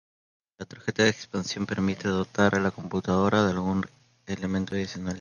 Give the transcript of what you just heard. La tarjeta de expansión permite dotar a la computadora de algún elemento adicional.